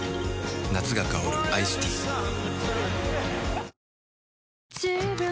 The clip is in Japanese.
夏が香るアイスティーお？